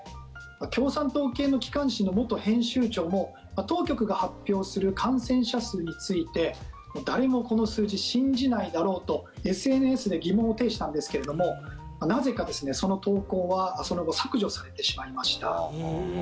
共産党系の機関紙の元編集長も当局が発表する感染者数について誰もこの数字、信じないだろうとＳＮＳで疑問を呈したんですけどなぜかその投稿はその後削除されてしまいました。